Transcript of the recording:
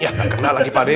yah tak kena lagi pakde